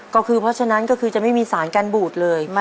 ก็คือเพราะฉะนั้นก็คือจะไม่มีสารกันบูดเลย